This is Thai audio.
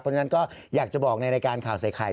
เพราะฉะนั้นก็อยากจะบอกในรายการข่าวใส่ไข่